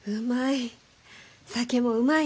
うまい。